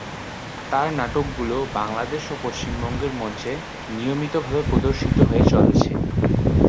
তার নাটকগুলো বাংলাদেশ ও পশ্চিমবঙ্গের মঞ্চে নিয়মিতভাবে প্রদর্শিত হয়ে চলেছে।